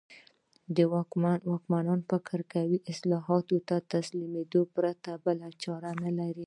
واکمنانو فکر کاوه اصلاحاتو ته تسلیمېدو پرته بله چاره نه لري.